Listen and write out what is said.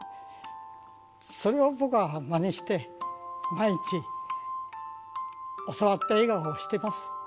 それを僕はまねして、毎日教わった笑顔をしてます。